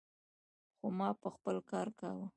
خو ما به خپل کار کاوه.